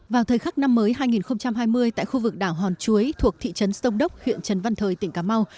vào thời khắc năm mới hai nghìn hai mươi tại khu vực đảo hòn chuối thuộc thị trấn sông đốc huyện trần văn thời tỉnh cà mau